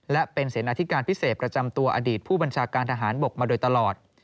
และเป็นเสนาธิการพิเศษประจำตัวอดีตผู้บัญชาการทหารบกมาโดยตลอด